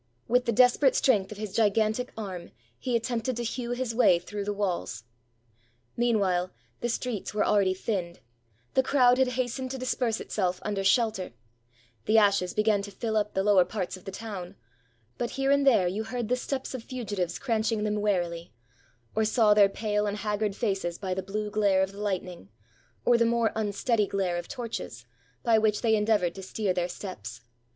With the desperate strength of his gigantic arm, he attempted to hew his way through the walls. Meanwhile, the streets were already thinned; the crowd had hastened to disperse itself under shelter; the ashes began to fill up the lower parts of the town; but, here and there, you heard the steps of fugitives cranch ing them warily, or saw their pale and haggard faces by the blue glare of the lightning, or the more unsteady glare of torches, by which they endeavored to steer their steps.